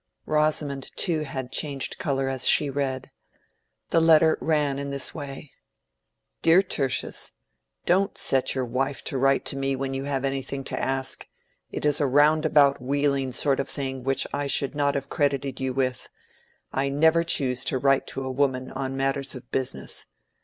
Rosamond too had changed color as she read. The letter ran in this way:— "DEAR TERTIUS,—Don't set your wife to write to me when you have anything to ask. It is a roundabout wheedling sort of thing which I should not have credited you with. I never choose to write to a woman on matters of business.